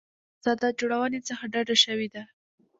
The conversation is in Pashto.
له ساده جوړونې څخه ډډه شوې ده.